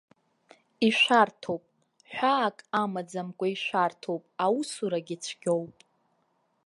Ишәарҭоуп, ҳәаак амаӡамкәа ишәарҭоуп, аусурагьы цәгьоуп.